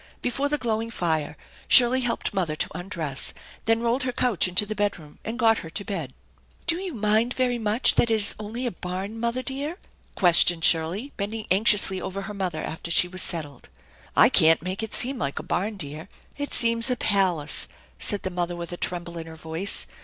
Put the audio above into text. Before the glowing fire Shirley helped mother to undress, then rolled her couch into the bedroom and got her to bed. " Do you mind very much that it is only a barn, mother dear ?" questioned Shirley, bending anxiously over her mother after she was settled. " I can't make it seem like a barn, dear ; it seems a palace !" said the mother with a tremble in her voice.